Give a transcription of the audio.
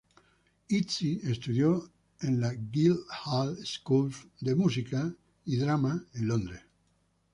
Izzy estudió en la Guildhall School of Music and Drama en Londres.